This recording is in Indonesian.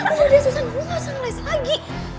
udah susah gue ga usah nge list lagi